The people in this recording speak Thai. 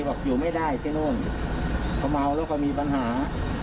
บอกอยู่ไม่ได้ที่นู่นเขาเมาแล้วก็มีปัญหา